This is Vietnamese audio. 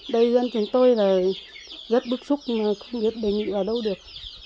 đây dân chúng tôi là rất bức xúc không biết đề nghị ở đâu được